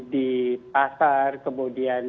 di pasar kemudian